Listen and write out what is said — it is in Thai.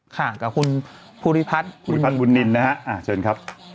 ค่ะกับคุณภูริพัฒน์ภูริพัฒนบุญนินนะฮะเชิญครับ